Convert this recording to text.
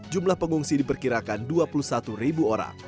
jumlah pengungsi diperkirakan dua puluh satu ribu orang